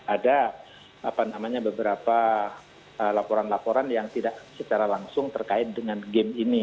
ada beberapa laporan laporan yang tidak secara langsung terkait dengan game ini